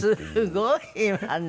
すごいわね！